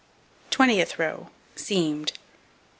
Twentieth row: Seamed.